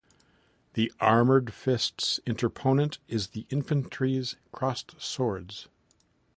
The armoured fist's interponent is the infantry's crossed swords.